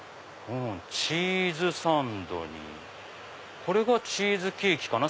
チーズサンドにこれがチーズケーキかな。